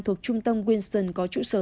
thuộc trung tâm winston có trụ sở